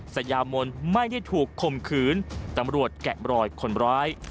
สยามนไม่ได้ถูกคมขืนตำรวจแกะบรอยคนร้าย